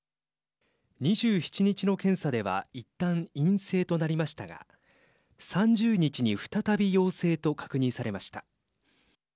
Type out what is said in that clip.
２７日の検査ではいったん陰性となりましたが３０日に再び陽性と確認されました。